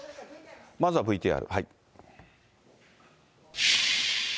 まずはＶＴＲ。